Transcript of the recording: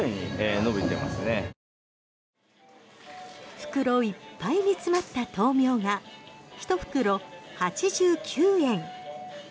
袋いっぱいに詰まった豆苗が１袋８９円。